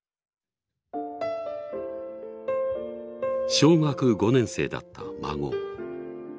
小学５年生だった孫。